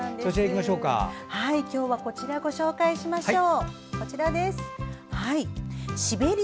今日はこちらをご紹介しましょう。